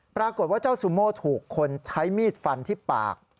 ปรากฏว่าเจ้าซูโม่ถูกคนใช้มีดฟันที่ปาก